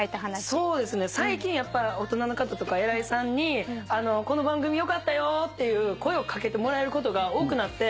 そうですね最近大人の方とか偉いさんに「この番組よかったよ！」っていう声を掛けてもらえることが多くなって。